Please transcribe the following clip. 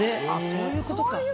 そういうことか。